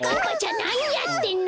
なにやってんの！